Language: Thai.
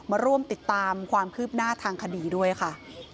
มาร่วมติดตามความคืบหน้าทางคดีด้วยค่ะ